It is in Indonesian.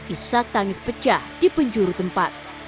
isak tangis pecah di penjuru tempat